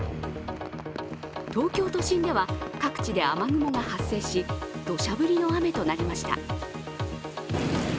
東京都心では各地で雨雲が発生しどしゃ降りの雨となりました。